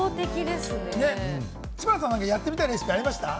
知花さん、やってみたいレシピありました？